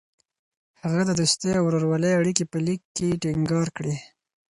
هغه د دوستۍ او ورورولۍ اړیکې په لیک کې ټینګار کړې.